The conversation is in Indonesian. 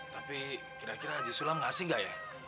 tapi kira kira jisulam ngasih gak ya